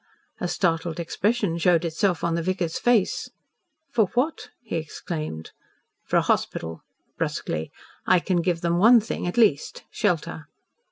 A startled expression showed itself on the vicar's face. "For what?" he exclaimed "For a hospital," brusquely "I can give them one thing, at least shelter."